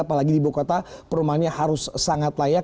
apalagi di ibu kota perumahannya harus sangat layak